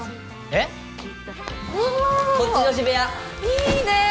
いいねえ